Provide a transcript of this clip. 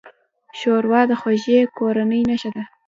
ښوروا د خوږې کورنۍ نښه ده.